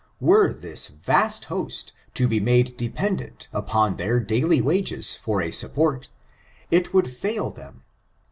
Were this vast host to be made dependent upon their daily wages for a support, it would fail them.